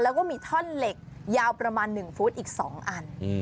แล้วก็มีท่อนเหล็กยาวประมาณ๑ฟุตอีก๒อัน